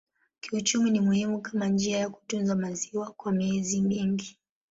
Kiuchumi ni muhimu kama njia ya kutunza maziwa kwa miezi mingi.